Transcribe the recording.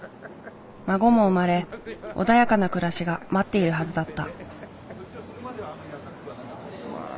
孫も生まれ穏やかな暮らしが待っているはずだった。